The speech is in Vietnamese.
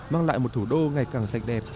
mang lại một thủ đô ngày càng sạch đẹp